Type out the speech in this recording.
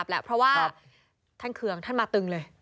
เพราะว่าท่านเคืองท่านมาตึงเลย